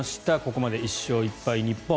ここまで１勝１敗、日本。